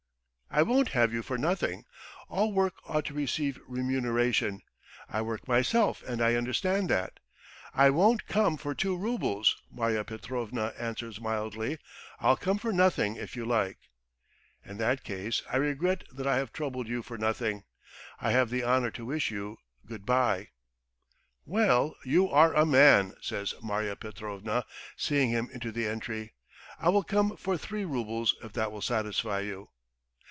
"I won't have you for nothing. All work ought to receive remuneration. I work myself and I understand that. ..." "I won't come for two roubles," Marya Petrovna answers mildly. "I'll come for nothing if you like." "In that case I regret that I have troubled you for nothing. ... I have the honour to wish you good bye." "Well, you are a man!" says Marya Petrovna, seeing him into the entry. "I will come for three roubles if that will satisfy you."